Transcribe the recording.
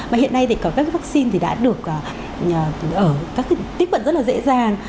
mà hiện nay thì có các vaccine thì đã được tiếp cận rất là dễ dàng